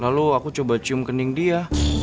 lalu aku coba cium kening dia